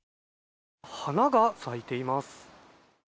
花が咲いています。